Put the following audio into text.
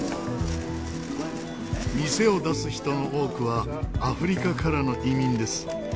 店を出す人の多くはアフリカからの移民です。